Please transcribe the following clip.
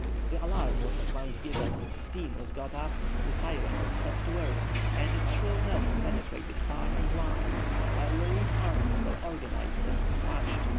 ] The alarm was at once given, steam was got up, the siren was set to work, and its shrill notes penetrated far and wide, while relief parties were organised and despatched.